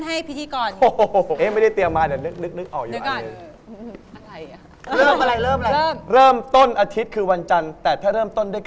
ให้ไปที่สองสามใบ